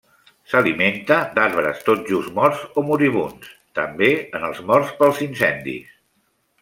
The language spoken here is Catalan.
S'alimenta d'arbres tot just morts o moribunds, també en els morts pels incendis.